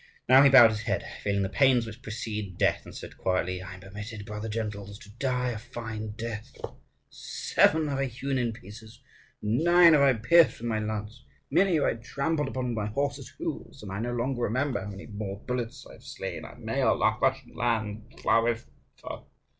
Now he bowed his head, feeling the pains which precede death, and said quietly, "I am permitted, brother gentles, to die a fine death. Seven have I hewn in pieces, nine have I pierced with my lance, many have I trampled upon with my horse's hoofs; and I no longer remember how many my bullets have slain. May our Russian land flourish forever!"